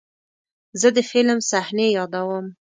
زه د فلم صحنې یادوم.